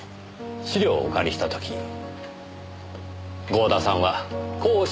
資料をお借りした時郷田さんはこうおっしゃいました。